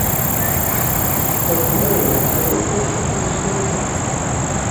Kornubiera da berezko hizkuntza historikoa.